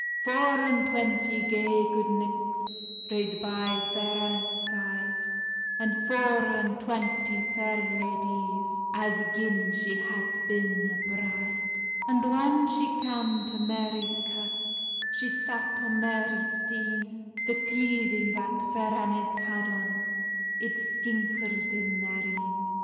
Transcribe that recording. Four and twanty gay gude knichts Rade by Fair Annet's side, And four and twanty fair ladies, As gin she had bin a bride. And whan she cam to Marie's Kirk, She sat on Marie's stean: The cleading that Fair Annet had on It skinkled in their een.